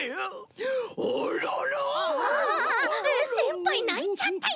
ああせんぱいないちゃったよ！